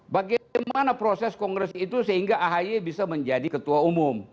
bagaimana proses kongres itu sehingga ahy bisa menjadi ketua umum